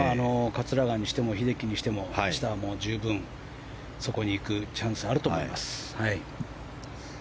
桂川にしても英樹にしても明日は十分そこに行くチャンスがあると思います。